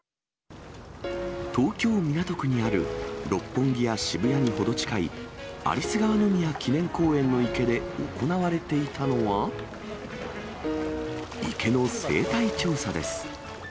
東京・港区にある、六本木や渋谷に程近い有栖川宮記念公園の池で行われていたのは、池の生態調査です。